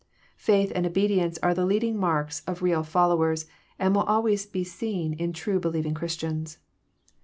Faith and obedience are the leading marks of real followers, and wTlI always be seen in true believing Christians.